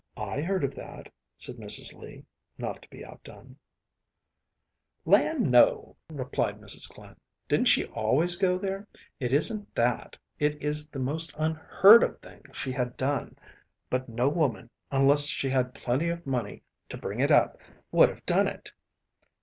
“I heard of that,‚ÄĚ said Mrs. Lee, not to be outdone. “Land, no,‚ÄĚ replied Mrs. Glynn. “Didn’t she always go there? It isn’t that. It is the most unheard of thing she had done; but no woman, unless she had plenty of money to bring it up, would have done it.